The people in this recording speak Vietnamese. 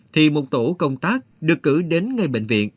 thì một tổ công tác được cử đến ngay bệnh viện